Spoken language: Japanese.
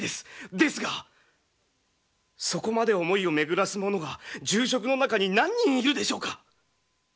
ですがそこまで思いを巡らす者が重職の中に何人いるでしょうか。